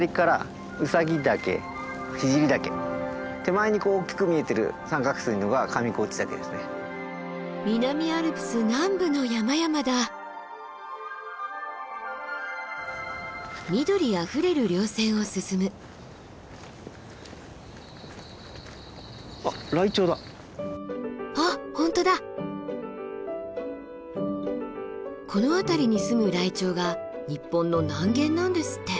この辺りに住むライチョウが日本の南限なんですって。